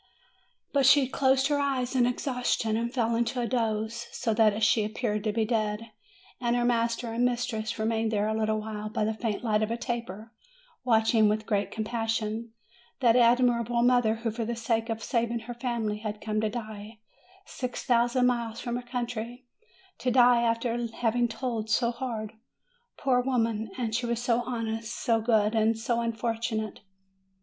But she closed her eyes in exhaustion, and fell into a doze, so that she appeared to be dead. And her master and mistress remained there a little while, by the faint light of a taper, watching with great com passion that admirable mother, who for the sake of saving her family, had come to die six thousand miles from her country, to die after having toiled so hard, poor woman! and she was so honest, so good, so un fortunate.